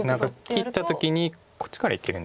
切った時にこっちからいけるんですよね。